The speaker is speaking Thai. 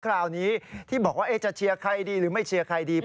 คราวนี้ที่บอกว่าจะเชียร์ใครดีหรือไม่เชียร์ใครดี